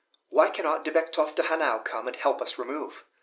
Why cannot De Becktoff de Hanau come and help us remove?"